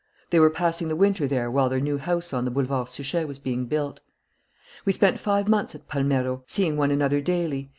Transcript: They were passing the winter there while their new house on the Boulevard Suchet was being built. "We spent five months at Palmero, seeing one another daily.